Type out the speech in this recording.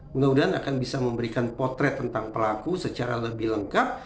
mudah mudahan akan bisa memberikan potret tentang pelaku secara lebih lengkap